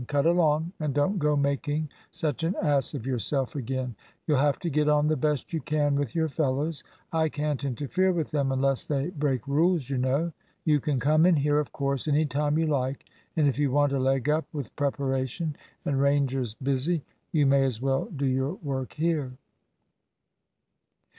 Cut along, and don't go making such an ass of yourself again. You'll have to get on the best you can with your fellows; I can't interfere with them unless they break rules, you know. You can come in here, of course, any time you like, and if you want a leg up with preparation, and Ranger's busy, you may as well do your work here."